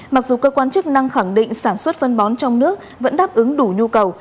mặc dù cơ quan chức năng khẳng định sản xuất phân bón trong nước vẫn đáp ứng đủ nhu cầu